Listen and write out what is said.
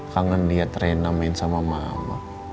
kangen lihat rena main sama mama